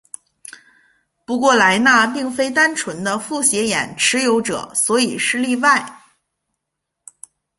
不过莱纳并非单纯的复写眼持有者所以是例外。